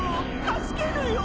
助けるよ！